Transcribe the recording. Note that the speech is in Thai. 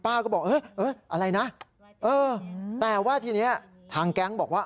อะไรนะเออแต่ว่าทีนี้ทางแก๊งบอกว่า